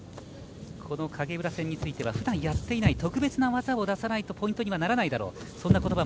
影浦戦についてはふだんやっていない特別な技を出さないとポイントにならないだろう。